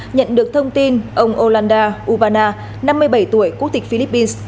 nhận được thông tin ông olanda ubana năm mươi bảy tuổi quốc tịch philippines